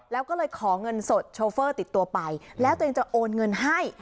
แล้วก็เลยขอเงินสดโชเฟอร์ติดตัวไปแล้วตัวเองจะโอนเงินให้